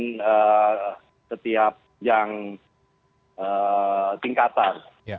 dan setiap yang tingkatan